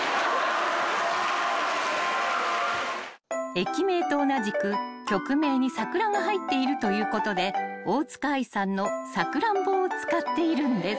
［駅名と同じく曲名に「さくら」が入っているということで大塚愛さんの『さくらんぼ』を使っているんです］